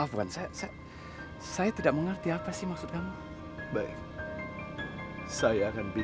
aku tidak dapat memuagi wajibanku sebagai istri